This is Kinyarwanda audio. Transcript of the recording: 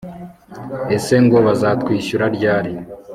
ese ngo bazatwishyura ryari